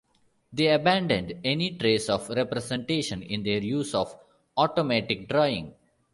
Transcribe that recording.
They abandoned any trace of representation in their use of automatic drawing.